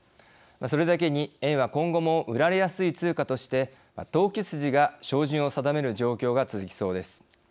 それだけに、円は今後も売られやすい通貨として投機筋が照準を定める状況が続きそうです。